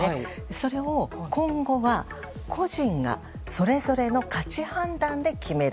それを今後は、個人がそれぞれの価値判断で決める。